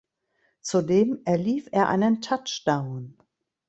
Zudem erlief er einen Touchdown.